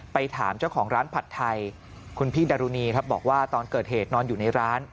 ถามเจ้าของร้านผัดไทยคุณพี่ดารุณีครับบอกว่าตอนเกิดเหตุนอนอยู่ในร้าน